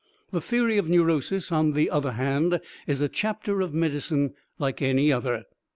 The theory of neurosis, on the other hand, is a chapter of medicine like any other.